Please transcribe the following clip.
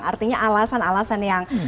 artinya alasan alasan yang